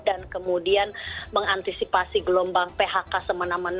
dan kemudian mengantisipasi gelombang phb